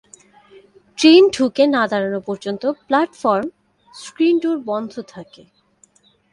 Train ঢুকে না-দাঁড়ানো পর্যন্ত প্ল্যাটফর্ম স্ক্রিন ডোর বন্ধ থাকে।